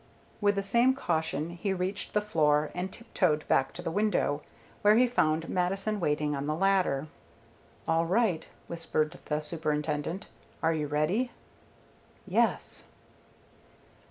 With the same caution he reached the floor, and tiptoed back to the window, where he found Mattison waiting on the ladder. "All right," whispered the Superintendent. "Are you ready?" "Yes."